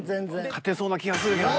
勝てそうな気がするけどな。